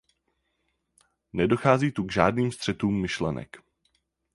Nedochází tu k žádným střetům myšlenek.